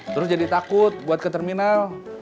terus jadi takut buat ke terminal